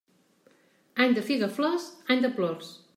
Any de figaflors, any de plors.